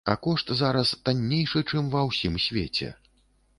А кошт зараз таннейшы, чым ва ўсім свеце.